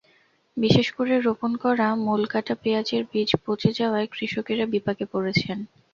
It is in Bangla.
বিশেষ করে রোপণ করা মূলকাটা পেঁয়াজের বীজ পচে যাওয়ায় কৃষকেরা বিপাকে পড়েছেন।